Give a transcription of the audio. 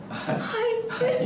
はい。